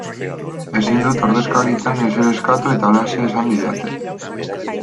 Ezin dut ordezkaritzan ezer eskatu eta halaxe esan didate.